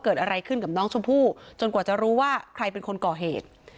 เกิดอะไรขึ้นกับน้องชมพู่จนกว่าจะรู้ว่าใครเป็นคนก่อเหตุ